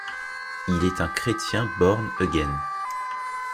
Il est un chrétien Born again.